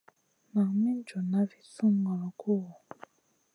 Nan min junʼna vi sùnŋolo kuhʼu.